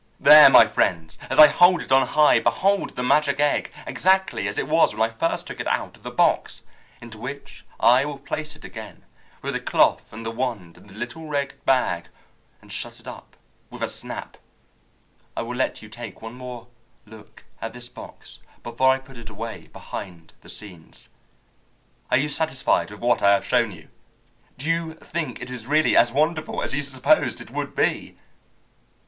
There, my friends; as I hold it on high, behold the magic egg, exactly as it was when I first took it out of the box, into which I will place it again, with the cloth and the wand and the little red bag, and shut it up with a snap. I will let you take one more look at this box before I put it away behind the scenes. Are you satisfied with what I have shown you? Do you think it is really as wonderful as you supposed it would be?"